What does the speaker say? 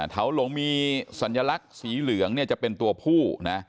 เถาหลงมีสัญลักษณ์สีเหลืองเนี่ยจะเป็นตัวผู้นะ